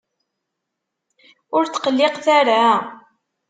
Ur tqelliqet ara!